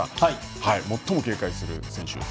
最も警戒する選手は？